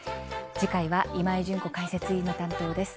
次回は今井純子解説委員の担当です。